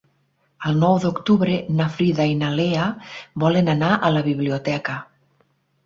El nou d'octubre na Frida i na Lea volen anar a la biblioteca.